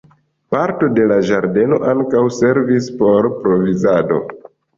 Parto de la ĝardeno ankaŭ servis por provizado.